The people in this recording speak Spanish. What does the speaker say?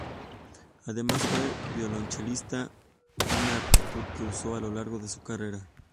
Además fue violonchelista, una aptitud que usó a lo largo de su carrera.